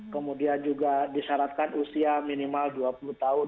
kemudian juga disyaratkan usia minimal dua puluh tahun